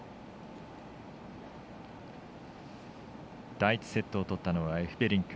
第１セットを取ったのはエフベリンク。